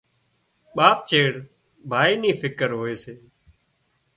ٻاپ چيڙ ڀائي نين فڪر هوئي سي